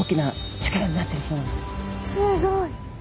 すごい。